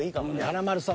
華丸さん。